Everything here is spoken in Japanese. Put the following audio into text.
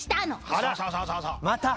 あらっまた。